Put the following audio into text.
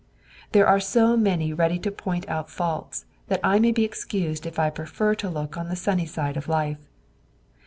There are so many ready to point out faults, that I may be excused if I prefer to look on the sunny side of life.